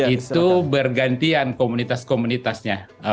itu bergantian komunitas komunitasnya